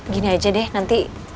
gini aja deh nanti